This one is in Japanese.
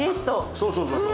そうそうそうそう。